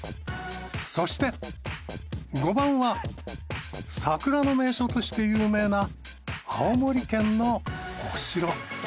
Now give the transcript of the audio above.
そして５番は桜の名所として有名な青森県のお城。